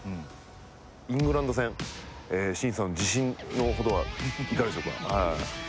イングランド戦慎さんの自信の程はいかがでしょうか？